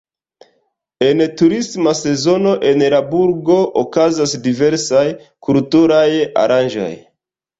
En turisma sezono en la burgo okazas diversaj kulturaj aranĝoj.